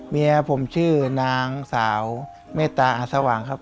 เมียผมชื่อนางสาวเมตตาอาสว่างครับ